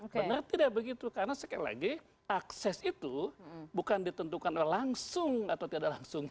benar tidak begitu karena sekali lagi akses itu bukan ditentukan langsung atau tidak langsung